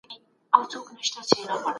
کمپيوټر انټيوايرس اپډېټ کوي.